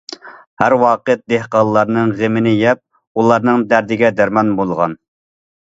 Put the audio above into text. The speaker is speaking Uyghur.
ھەر ۋاقىت دېھقانلارنىڭ غېمىنى يەپ، ئۇلارنىڭ دەردىگە دەرمان بولغان.